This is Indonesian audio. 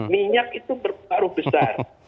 minyak itu berparuh besar